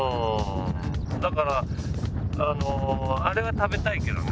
だからあのあれは食べたいけどね。